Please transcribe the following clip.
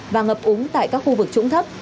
và ngập úng tại các khu vực trũng thấp